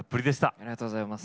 ありがとうございます。